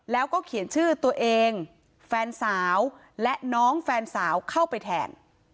แล้วก็เขียนชื่อตัวเองแฟนสาวและน้องแฟนสาวเข้าไปแทน